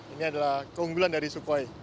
ini adalah keunggulan dari sukhoi